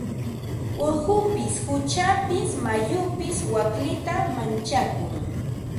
Urqupis quchapis mayupis waklita manchakun.